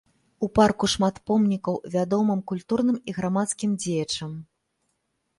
У парку шмат помнікаў вядомым культурным і грамадскім дзеячам.